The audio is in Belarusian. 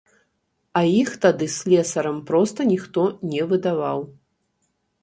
А іх тады слесарам проста ніхто не выдаваў.